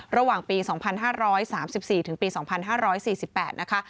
ระหว่างปี๒๕๓๔ถึงปี๒๕๔๘นะคะ